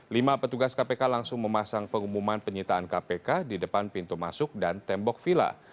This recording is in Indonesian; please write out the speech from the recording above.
lima petugas kpk langsung memasang pengumuman penyitaan kpk di depan pintu masuk dan tembok vila